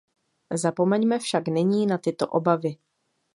Zapomeňme však nyní na tyto obavy.